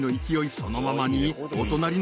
そのままに］